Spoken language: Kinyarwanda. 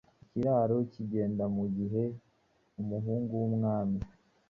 icyicaro cyigengamugihe umuhungu wumwami